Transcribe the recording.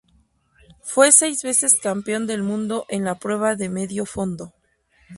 Fue seis veces campeón del mundo en la prueba de medio fondo.